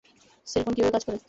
Cellphone কীভাবে কাজ করে?